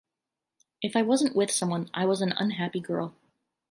If I wasn't with someone, I was an unhappy girl.